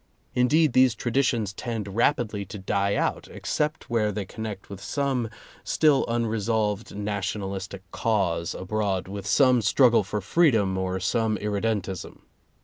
Indeed these traditions tend rapidly to die out except where they connect with some still unresolved nationalistic cause abroad, with some struggle for freedom, or some irredentism.